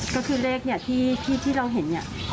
ก็คือเลขเนี่ยที่เราเห็นเนี่ย